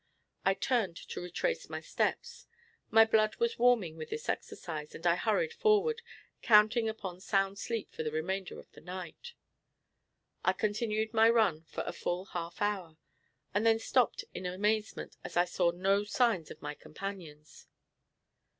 I turned to retrace my steps. My blood was warming with the exercise, and I hurried forward, counting upon sound sleep for the remainder of the night. I continued my run for a full half hour, and then stopped in amazement, as I saw no signs of my companions.